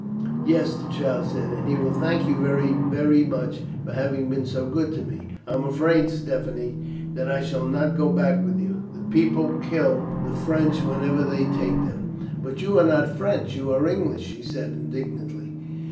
"Yes," the child said, "and he will thank you very, very much for having been so good to me." "I am afraid, Stephanie, that I shall not go back with you. The people kill the French whenever they take them." "But you are not French; you are English," she said, indignantly.